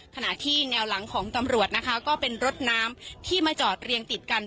ขณะที่แนวหลังของตำรวจนะคะก็เป็นรถน้ำที่มาจอดเรียงติดกัน